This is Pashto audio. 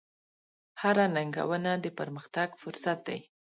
هره ننګونه د پرمختګ فرصت دی.